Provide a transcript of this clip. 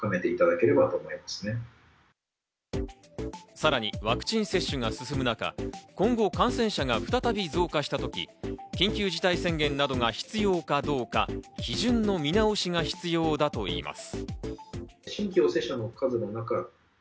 さらにワクチン接種が進む中、今後、感染者が再び増加したとき、緊急事態宣言などが必要かどうか基準の見直しが必要だといいます。